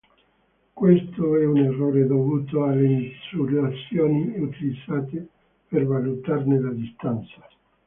Questo è un errore dovuto alle misurazioni utilizzate per valutarne la distanza".